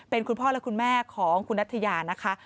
เป็นคุณพ่อและคุณแม่ของคุณนัทยานะคะ